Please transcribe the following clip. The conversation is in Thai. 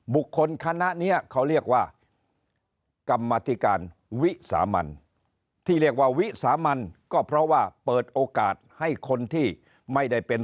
บุคคลคนี้เขาเรียกว่ากรรมธิการวิสามัน